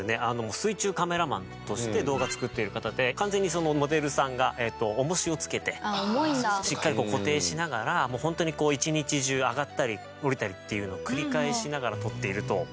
水中カメラマンとして動画作っている方で完全にモデルさんが重しを着けてしっかりこう固定しながらもう本当に一日中上がったり下りたりっていうのを繰り返しながら撮っていると。